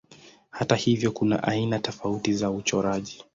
Hata hivyo kuna aina tofauti za uchoraji.